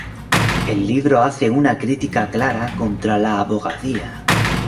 El libro hace una crítica clara contra la abogacía.